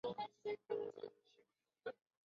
因此城市的捷克人减少并很大程度德国化。